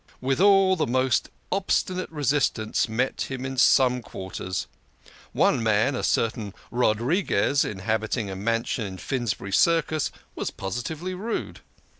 Withal, the most obstinate resistance met him in some quarters. One man a certain Rodriques, inhabiting a mansion in Finsbury Circus was positively rude.